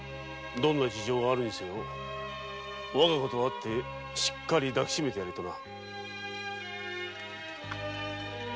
どんな事情があるにせよ我が子に会ってしっかりと抱きしめてやれとな。